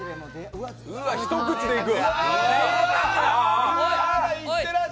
うわ、一口でいく？